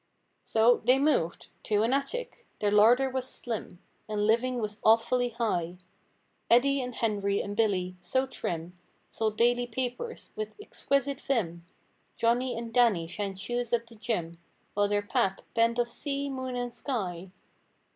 So, they moved—to an attic. Their larder was slim ; And living was awfully high. Eddie and Henry and Billy—so trim. Sold daily papers, with exquisite vim; Johnnie and Dannie shined shoes at the gym— While their "pap" penned of sea, moon and sky.